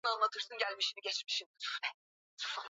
Ugonjwa wa chambavu hutokea nyakati za misimu ya masika